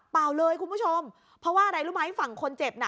เลยคุณผู้ชมเพราะว่าอะไรรู้ไหมฝั่งคนเจ็บน่ะ